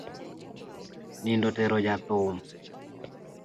Nindo otero jathum